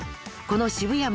この渋谷